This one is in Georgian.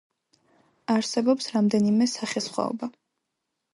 არსებობს რამდენიმე სახესხვაობა.